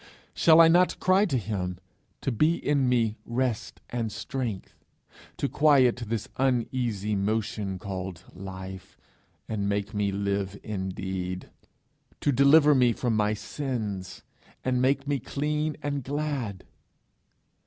Shall I not cry to him to be in me rest and strength? to quiet this uneasy motion called life, and make me live indeed? to deliver me from my sins, and make me clean and glad?